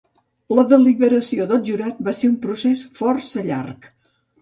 La deliberació del jurat va ser un procés força llarg.